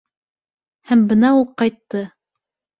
... Һәм бына ул ҡайтты.